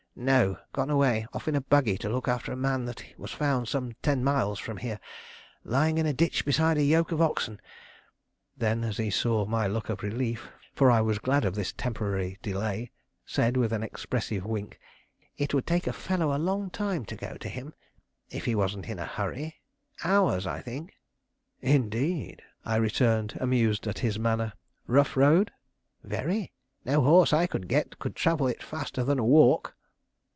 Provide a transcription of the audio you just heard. "No, gone away; off in a buggy to look after a man that was found some ten miles from here, lying in a ditch beside a yoke of oxen." Then, as he saw my look of relief, for I was glad of this temporary delay, said, with an expressive wink: "It would take a fellow a long time to go to him if he wasn't in a hurry hours, I think." "Indeed!" I returned, amused at his manner. "Rough road?" "Very; no horse I could get could travel it faster than a walk."